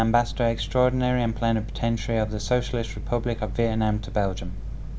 bà phan thúy thanh sinh năm một nghìn chín trăm năm mươi hai